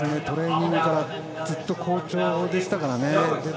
トレーニングからずっと好調でしたからね。